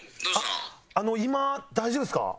あの今大丈夫ですか？